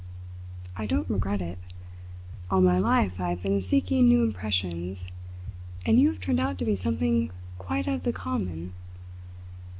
I don't regret it. All my life I have been seeking new impressions, and you have turned out to be something quite out of the common.